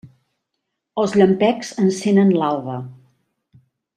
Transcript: Els llampecs encenen l'alba.